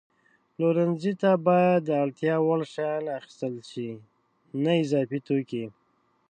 پلورنځي ته باید د اړتیا وړ شیان اخیستل شي، نه اضافي توکي.